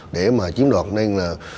để mà chiếm đoạt nên là